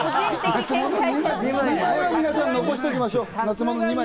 ２枚は皆さん、残しておきましょう。